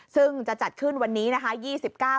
ซึ่งจะจัดขึ้นวันนี้นะคะ